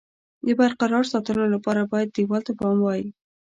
د برقرار ساتلو لپاره باید دېوال ته پام وای.